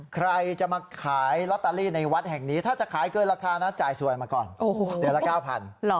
ใครจะมาขายลอตเตอรี่ในวัดแห่งนี้ถ้าจะขายเกินราคานะจ่ายสวยมาก่อนเดือนละ๙๐๐บาท